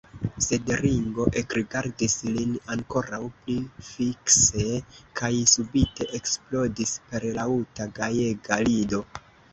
Sed Ringo ekrigardis lin ankoraŭ pli fikse kaj subite eksplodis per laŭta, gajega rido.